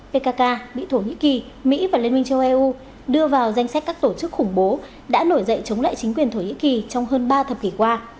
pkk bị thổ nhĩ kỳ mỹ và liên minh châu eu đưa vào danh sách các tổ chức khủng bố đã nổi dậy chống lại chính quyền thổ nhĩ kỳ trong hơn ba thập kỷ qua